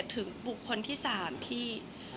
ถึงบุคคลที่๓ที่